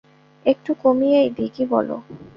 একটু কমিয়েই দি, কী বলো?